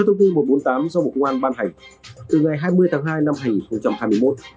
trong thông tin một trăm bốn mươi tám do bộ công an ban hành từ ngày hai mươi tháng hai năm hành phần trầm hai mươi một